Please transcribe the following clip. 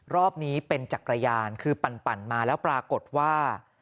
รอบนี้เป็นจักรยานคือปั่นมาแล้วปรากฏว่า